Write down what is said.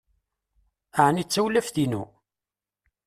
Ɛni d tawlaft-inu?